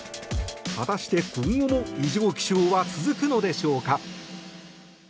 果たして今後も異常気象は続くのでしょうか。